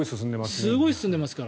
すごい進んでいますから。